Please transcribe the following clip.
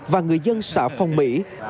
và người dân xã phong bình